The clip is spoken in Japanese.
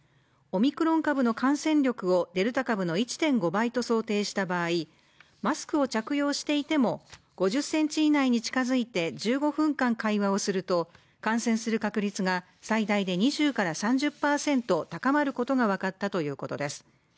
オミクロン株の感染力をデルタ株の１．５倍と想定した場合マスクを着用していても５０ｃｍ以内に近づいて１５分間会話をすると、感染する確率が最大で２０から３０％高まることが分かったということです。